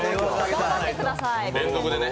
頑張ってください。